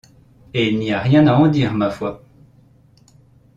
Et il n’y a rien à en dire, ma foi!